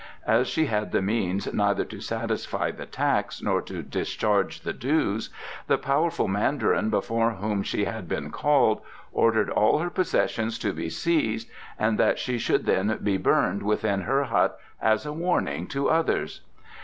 As she had the means neither to satisfy the tax nor to discharge the dues, the powerful Mandarin before whom she had been called ordered all her possessions to be seized, and that she should then be burned within her hut as a warning to others.